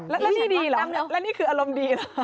แล้วนี่เหรอแล้วนี่คืออารมณ์ดีเหรอ